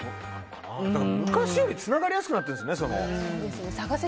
昔よりつながりやすくなっているんですね。